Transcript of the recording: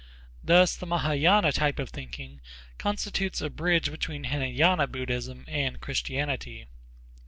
Thus the Mahâyâna type of thinking constitutes a bridge between Hînayâna Buddhism and Christianity.